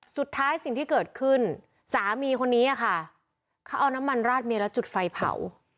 สิ่งที่เกิดขึ้นสามีคนนี้ค่ะเขาเอาน้ำมันราดเมียแล้วจุดไฟเผา